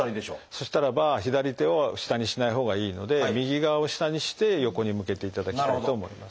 そしたらば左手を下にしないほうがいいので右側を下にして横に向けていただきたいと思います。